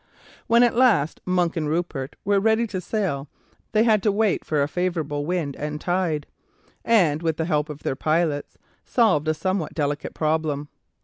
When at last Monk and Rupert were ready to sail they had to wait for a favourable wind and tide, and, with the help of their pilots, solve a somewhat delicate problem.